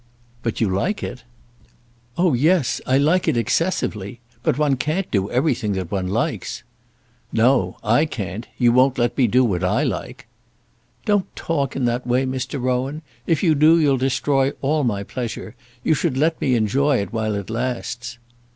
"But you like it?" "Oh yes; I like it excessively. But one can't do everything that one likes." "No; I can't. You won't let me do what I like." "Don't talk in that way, Mr. Rowan. If you do you'll destroy all my pleasure. You should let me enjoy it while it lasts."